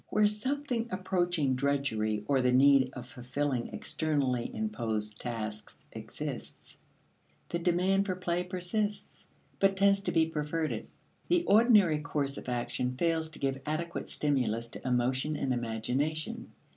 Where something approaching drudgery or the need of fulfilling externally imposed tasks exists, the demand for play persists, but tends to be perverted. The ordinary course of action fails to give adequate stimulus to emotion and imagination.